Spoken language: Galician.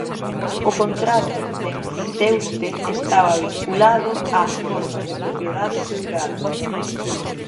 O contrato de enfiteuse estaba vinculado ás formas de propiedade feudal.